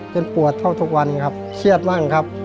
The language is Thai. เป็นปวดเท่าทุกวันครับเครียดบ้างครับ